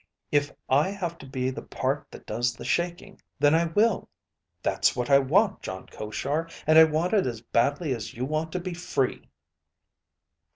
If I have to be the part that does the shaking, then I will. That's what I want, Jon Koshar, and I want it as badly as you want to be free."